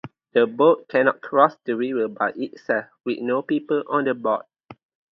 The boat cannot cross the river by itself with no people on board.